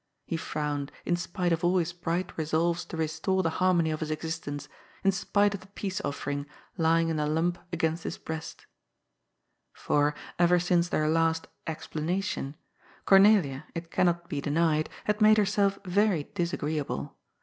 He frowned, in spite of all his bright resolves to restore the harmony of his existence, in spite of the peace offering, lying in a lump against his breast For, ever since their last "explanation,*' Cornelia, it cannot be denied, had made herself very disagreeable.